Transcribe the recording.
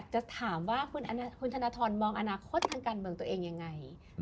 จะถามว่าคุณธนทรมองอนาคตทางการเมืองตัวเองยังไง